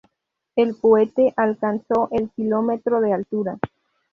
El cohete alcanzó el kilómetro de altura.